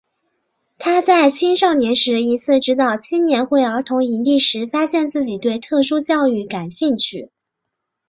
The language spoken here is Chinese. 他在青少年时一次指导青年会儿童营地时发现自己对特殊教育感兴趣。